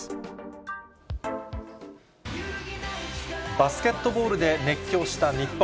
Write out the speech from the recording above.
バスケットボールで熱狂した日本。